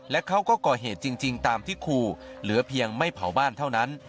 และเขาก็ก่อเหตุจริงตามที่ขู่เหลือเพียงไม่เผาบ้านเท่านั้น